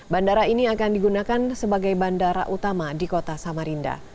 bandara ini akan digunakan sebagai bandara utama di kota samarinda